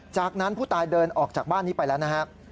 จากนั้นผู้ตายเดินออกจากบ้านนี้ไปแล้วนะครับ